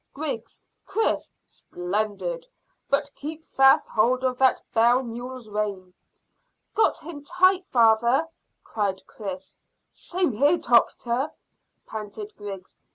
Griggs! Chris! splendid; but keep fast hold of that bell mule's rein." "Got him tight, father," cried Chris. "Same here, doctor," panted Griggs.